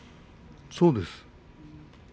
そうです。